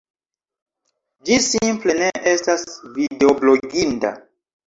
Ĝi simple ne estas videobloginda...